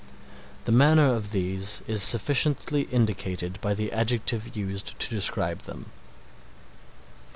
The manner of these is sufficiently indicated by the adjective used to describe them.